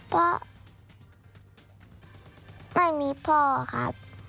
เพราะไม่มีพ่อครับ